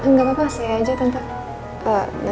gak apa apa saya aja tante